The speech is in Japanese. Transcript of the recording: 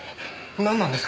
なんなんですか？